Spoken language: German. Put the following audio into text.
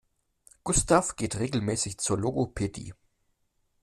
Gustav geht regelmäßig zur Logopädie.